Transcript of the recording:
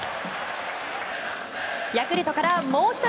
ヤクルトからもう１人。